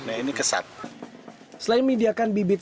kemudian ni jadinya besok pandai malam ini memang siang kali ini selistir